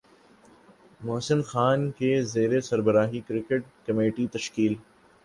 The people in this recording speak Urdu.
محسن خان کی زیر سربراہی کرکٹ کمیٹی تشکیل